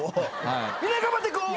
みんな頑張っていこう。